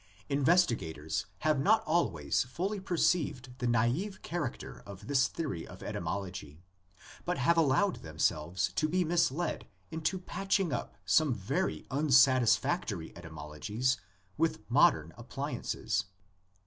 Investigators have not always fully perceived the naive character of this theory of etymology, but have allowed themselves to be misled into patching 30 THE LEGENDS OF GENESIS. up some very unsatisfactory etymologies with mod ern appliances.